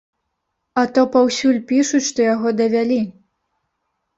А то паўсюль пішуць, што яго давялі!